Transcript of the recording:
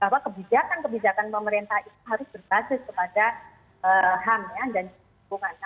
bahwa kebijakan kebijakan pemerintah itu harus berbasis kepada ham dan hubungan